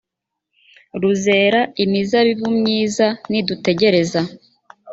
ruzera imizabibu myiza nidutegereza